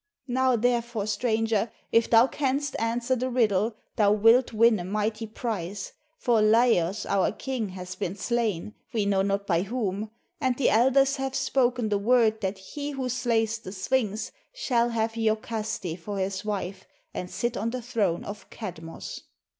Now, there fore, stranger, if thou canst answer the riddle, thou wilt win a mighty prize; for Laios, our king, has been slain, we know not by whom, and the elders have spoken the word that he who slays the Sphinx shall have lo kaste for his wife and sit on the throne of Kadmos."